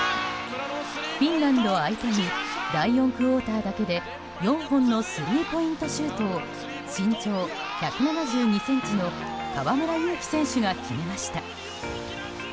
フィンランド相手に第４クオーターだけで４本のスリーポイントシュートを身長１７２ｃｍの河村勇輝選手が決めました。